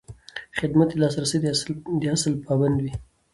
خدمت د لاسرسي د اصل پابند وي.